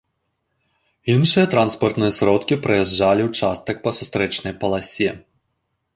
Іншыя транспартныя сродкі праязджалі ўчастак па сустрэчнай паласе.